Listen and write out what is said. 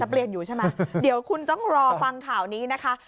เปลี่ยนอยู่ใช่ไหมเดี๋ยวคุณต้องรอฟังข่าวนี้นะคะ